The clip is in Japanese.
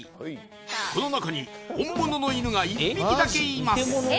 この中に本物の犬が１匹だけいます